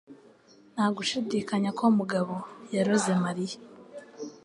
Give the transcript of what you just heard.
Nta gushidikanya ko mugabo yaroze Mariya.